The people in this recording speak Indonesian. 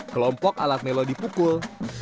kelompok alat melodi pukul